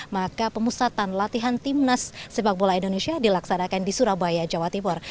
maka pemusatan latihan timnas sepak bola indonesia dilaksanakan di surabaya jawa timur